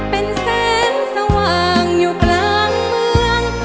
เป็นแสงสว่างอยู่กลางเมือง